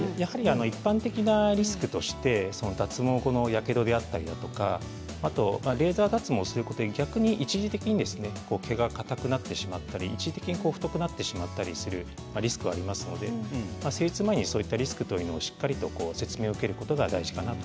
一般的なリスクとして脱毛は、やけどであったりレーザー脱毛をすることで逆に一時的に毛がかたくなったり一時的に太くなったりするリスクがありますので施術前にそういうリスクをしっかりと説明を受けることが大事かなと。